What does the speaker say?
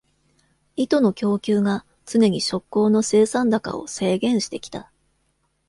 糸の供給が常に織工の生産高を制限してきた。